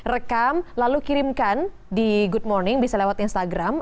rekam lalu kirimkan di good morning bisa lewat instagram